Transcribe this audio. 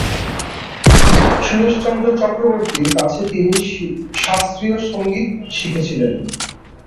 সুরেশচন্দ্র চক্রবর্তীর কাছেও তিনি শাস্ত্রীয় সঙ্গীত শিখেছিলেন।